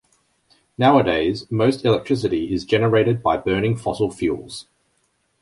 Nowadays, most electricity is generated by burning fossil fuels.